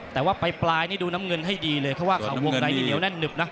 แต่ว่าปลายนี่ดูน้ำเงินให้ดีเลยเพราะว่าข่าววงในนี่เหนียวแน่นหนึบนะ